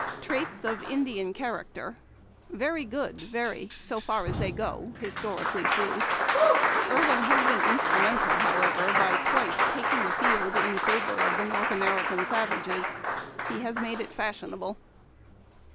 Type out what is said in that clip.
..." Traits of Indian Character. — Very good, very ; so far as they go, historically true. Irving has been instrumental, however, by twice taking the field in favor of the North American savages. He has made it fashionable.